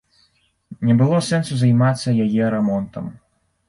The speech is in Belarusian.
Не было сэнсу займацца яе рамонтам.